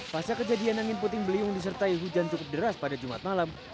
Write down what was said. pasca kejadian angin puting beliung disertai hujan cukup deras pada jumat malam